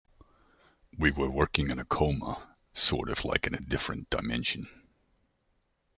We were working in a coma, sort of like in a different dimension.